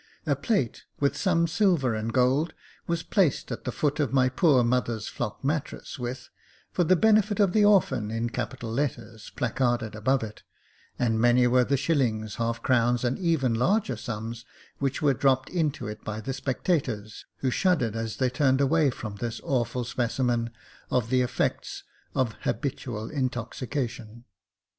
A plate, with some silver and gold, was placed at the foot of my poor mother's flock mattress, with, " For the benefit of the orphan," in capital text, placarded above it ; and many were the shillings, half crowns, and even larger sums which were dropped into it by the spectators, who shuddered as they turned away from this awful specimen of the effects of habitual intoxication.